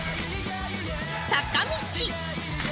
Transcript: ［坂道］